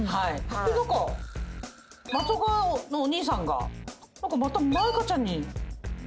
何か松岡のお兄さんがまた舞香ちゃんに。